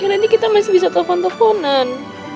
ya nanti kita masih bisa telfon tefonan